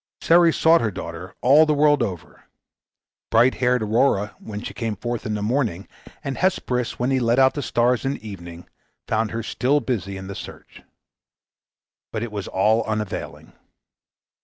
Ceres sought her daughter all the world over. Bright haired Aurora, when she came forth in the morning, and Hesperus when he led out the stars in the evening, found her still busy in the search. But it was all unavailing.